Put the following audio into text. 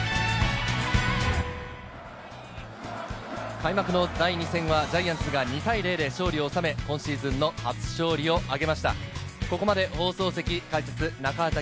開幕の第２戦はジャイアンツが２対０で勝利を納め、今シーズンの初勝利をうーんうわっ！